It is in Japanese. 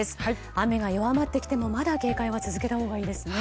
雨が弱まってきていてもまだ警戒は続けたほうがいいですね。